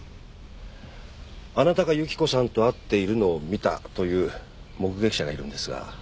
あなたが雪子さんと会っているのを見たという目撃者がいるんですが。